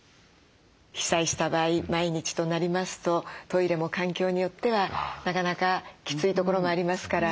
被災した場合毎日となりますとトイレも環境によってはなかなかきついところもありますから。